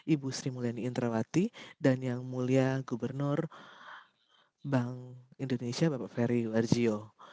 ibu sri mulyani indrawati dan yang mulia gubernur bank indonesia bapak ferry warjio